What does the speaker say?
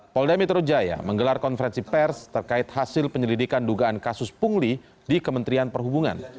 polda metro jaya menggelar konferensi pers terkait hasil penyelidikan dugaan kasus pungli di kementerian perhubungan